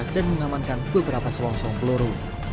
dan mengamankan beberapa seorang song peluru